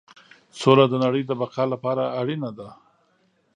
سوله د نړۍ د بقا لپاره اړینه ده.